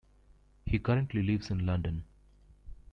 He currently lives in London.